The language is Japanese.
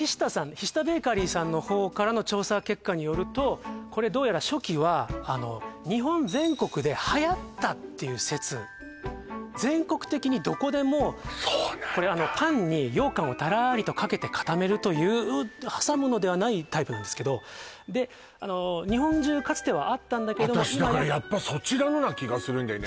菱田ベーカリーさんの方からの調査結果によるとこれどうやら初期は日本全国ではやったっていう説全国的にどこでもそうなんだパンに羊羹をたらりとかけて固めるという挟むのではないタイプなんですけどで日本中かつてはあったんだけど私だからやっぱそちらのな気がするんだよね